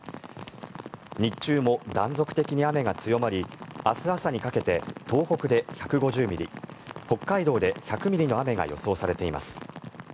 日中も断続的に雨が強まり明日朝にかけて東北で１５０ミリ北海道で１００ミリの雨が予想されています。